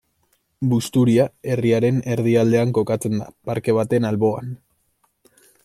Busturia herriaren erdialdean kokatzen da, parke baten alboan.